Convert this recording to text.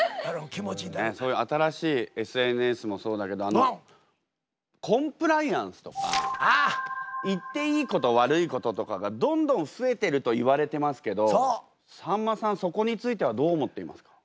そういう新しいＳＮＳもそうだけどコンプライアンスとか言っていいこと悪いこととかがどんどん増えてると言われてますけどさんまさんそこについてはどう思っていますか？